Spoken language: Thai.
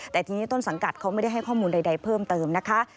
แต่ทีนี้ต้นสังกัดเขาไม่ได้ให้ข้อมูลใดเพิ่มเติมนะคะ